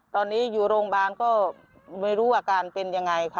ตอนนี้อยู่โรงพยาบาลก็ไม่รู้อาการเป็นยังไงค่ะ